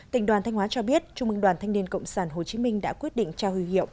tỉnh đoàn thanh hóa cho biết trung mương đoàn thanh niên cộng sản hồ chí minh đã quyết định trao huy hiệu